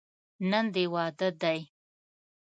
نن دې واده دی.